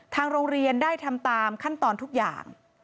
ทางโรงเรียนได้ทำตามขั้นตอนทุกอย่าง